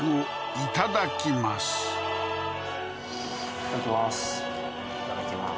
いただきまーす